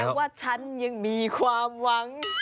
บอกแล้วว่าฉันยังมีความหวัง